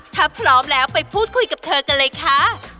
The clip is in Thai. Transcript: ถ้าพร้อมแล้วไปพูดคุยกับเธอกันเลยค่ะ